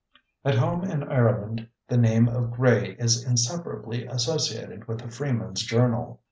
At home in Ireland the name of Gray is inseparably associated with the Freeman's Journal.